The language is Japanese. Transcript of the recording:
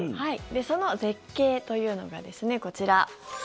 その絶景というのがこちら。